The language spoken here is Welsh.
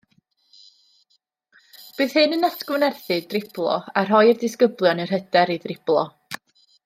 Bydd hyn yn atgyfnerthu driblo a rhoi i'r disgyblion yr hyder i ddriblo